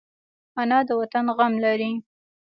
انا د وطن غم لري